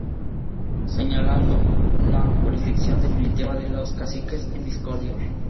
Señalando la jurisdicción definitiva de los caciques en discordia.